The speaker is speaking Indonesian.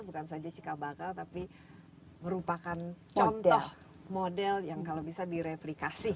bukan saja cikal bakal tapi merupakan contoh model yang kalau bisa direplikasi